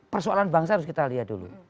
persoalan bangsa harus kita lihat dulu